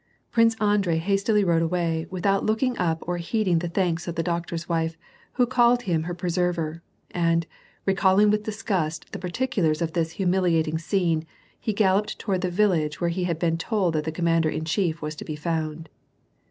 Prince Andrei hastily rode away, without looking up or heed ing the thanks of the doctor's wife, who called him her pre server, and, recalling with disgust the particulars of this humil iating scene, he galloped towai'd the village where he had been told that the commander in chief was to be found.